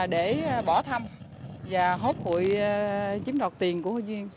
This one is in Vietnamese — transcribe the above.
để bỏ thăm và hốt hội chiếm đoạt tiền của các hội viên